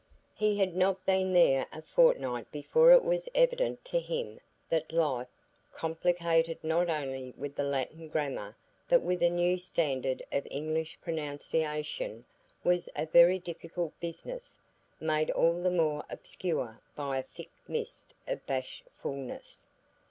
He had not been there a fortnight before it was evident to him that life, complicated not only with the Latin grammar but with a new standard of English pronunciation, was a very difficult business, made all the more obscure by a thick mist of bashfulness.